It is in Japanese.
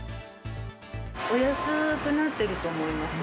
お安くなっていると思います。